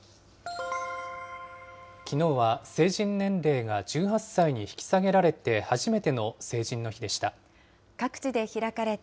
きのうは、成人年齢が１８歳に引き下げられて、初めての成人の日でした。